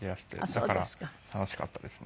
だから楽しかったですね。